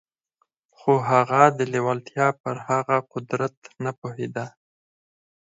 خو هغه د لېوالتیا پر هغه قدرت نه پوهېده.